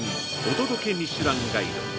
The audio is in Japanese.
お届けミシュランガイド」